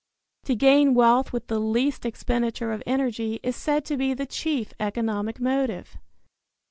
To gain wealth with the least expenditure of energy is said to be the chief economic motive.